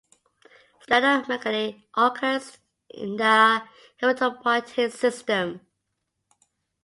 Splenomegaly occurs in the hematopoietic system.